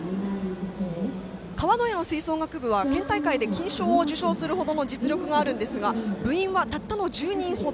川之江の吹奏楽部は県大会で金賞を受賞するほどの実力があるんですが部員はたったの１０人程。